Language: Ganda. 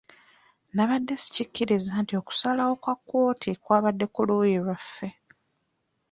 Nabadde sikiriza nti okusalawo kwa kkooti kwabadde ku luuyi lwaffe.